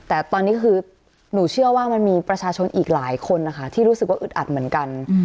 แต่ตอนนี้คือหนูเชื่อว่ามันมีประชาชนอีกหลายคนนะคะที่รู้สึกว่าอึดอัดเหมือนกัน